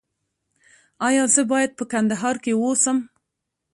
ایا زه باید په کندهار کې اوسم؟